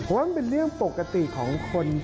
ว่ามันเป็นเรื่องปกติของคน